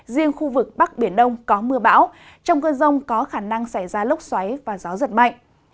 riêng khu vực bắc biển đông có mưa bão trong cơn rông có khả năng xảy ra lốc xoáy và gió giật mạnh